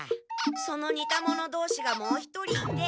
その似た者同士がもう一人いて。